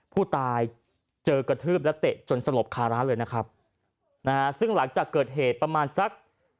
ผู้ตายเจอกระทืบและเตะจนสลบคาร้านเลยนะครับนะฮะซึ่งหลังจากเกิดเหตุประมาณสัก